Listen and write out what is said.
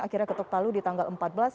akhirnya ketuktalu di tanggal empat belas